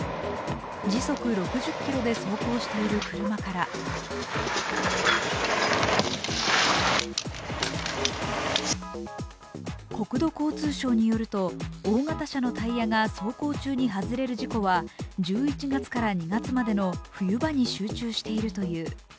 時速６０キロで走行している車から国土交通省によると大型車のタイヤが走行中に外れるる事故は１１月から２月までの冬場に集中しているという。